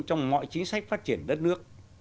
trong mọi chính sách phát triển đất nước